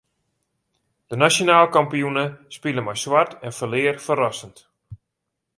De nasjonaal kampioene spile mei swart en ferlear ferrassend.